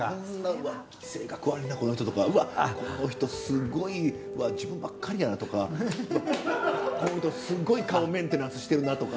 うわっ性格悪いなこの人とかうわっこの人すごい自分ばっかりやなとかこの人すっごい顔メンテナンスしてるなとか。